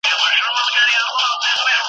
ګوري هر څوک خو مې سکون د څهرې